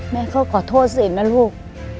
แม่ก็ขอโทษสินะลูก